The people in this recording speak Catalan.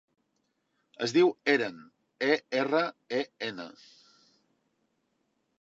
Es diu Eren: e, erra, e, ena.